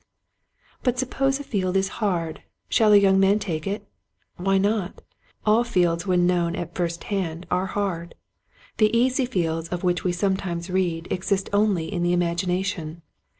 But suppose a field is hard, shall a young man take it ? Why not ? All fields when known at first hand are hard. The easy fields of which we sometimes read exist only in the imagination.